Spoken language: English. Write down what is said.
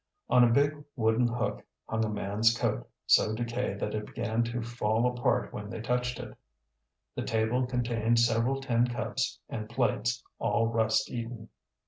On a big wooden hook hung a man's coat, so decayed that it began to fall apart when they touched it. The table contained several tin cups and plates, all rust eaten.